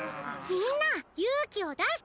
みんなゆうきをだして！